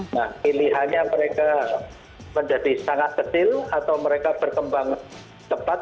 nah pilihannya mereka menjadi sangat kecil atau mereka berkembang cepat